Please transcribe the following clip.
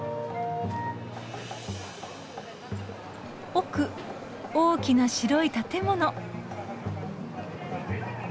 奥大きな白い建物。